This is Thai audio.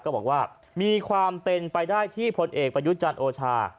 ก็บอกว่ามีความเป็นไปได้ที่พลเอกประยุทธ์จันทร์โอชา